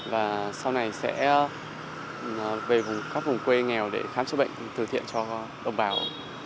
và sau này sẽ về các vùng quê nghèo để khám chữa bệnh thử thiện cho đồng bào